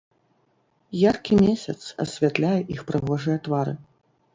Яркі месяц асвятляе іх прыгожыя твары.